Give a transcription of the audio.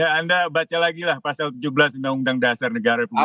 ya anda baca lagi lah pasal tujuh belas undang undang dasar negara republik indonesia